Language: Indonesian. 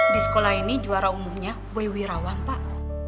di sekolah ini juara umumnya boy wirawan pak